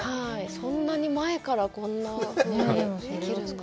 そんなに前から、こんなふうにできるんだと。